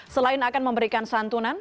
selain akan memberikan santunan